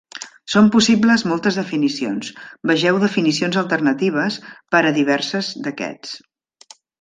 Són possibles moltes definicions; vegeu definicions alternatives per a diverses d'aquests.